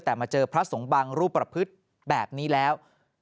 แต่มาเจอพระสงบังรูปประพฤติแบบนี้แล้ว